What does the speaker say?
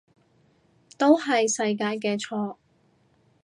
都係世界嘅錯